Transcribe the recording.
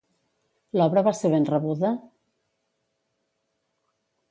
L'obra va ser ben rebuda?